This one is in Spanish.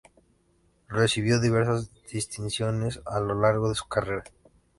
Recibió diversas distinciones a lo largo de su carrera.